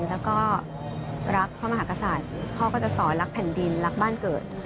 แล้วก็รักพระมหากษัตริย์พ่อก็จะสอนรักแผ่นดินรักบ้านเกิด